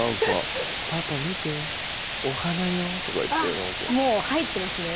「パパ見てお花よ」とか言ってもう入ってますね